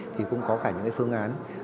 thì cũng có cả những cái phương án